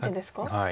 はい。